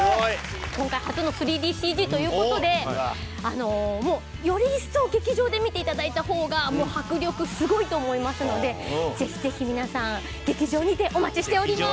今回初の３ＤＣＧという事でもうより一層劇場で見て頂いた方が迫力すごいと思いますのでぜひぜひ皆さん劇場にてお待ちしております！